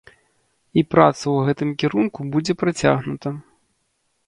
І праца ў гэтым кірунку будзе працягнута.